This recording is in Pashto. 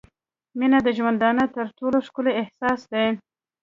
• مینه د ژوندانه تر ټولو ښکلی احساس دی.